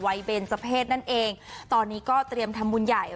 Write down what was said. เบนเจ้าเพศนั่นเองตอนนี้ก็เตรียมทำบุญใหญ่